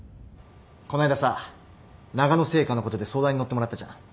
この間さながの製菓のことで相談に乗ってもらったじゃん。